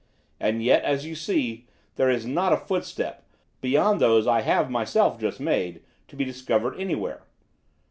"And yet, as you see, there is not a footstep, beyond those I have myself just made, to be discovered anywhere.